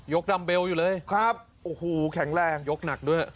กดำเบลอยู่เลยครับโอ้โหแข็งแรงยกหนักด้วย